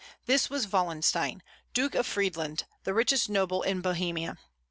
This was Wallenstein, Duke of Friedland, the richest noble in Bohemia.